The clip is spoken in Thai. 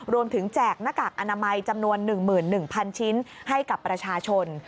แจกหน้ากากอนามัยจำนวน๑๑๐๐๐ชิ้นให้กับประชาชน